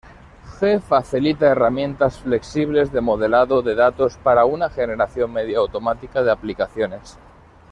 G facilita herramientas flexibles de modelado de datos para una generación medio-automática de aplicaciones.